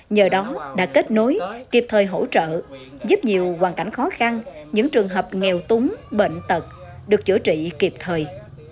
nhờ đó đã kết nối kịp thời hỗ trợ giúp nhiều hoàn cảnh khó khăn những trường hợp nghèo túng bệnh tật được chữa trị kịp thời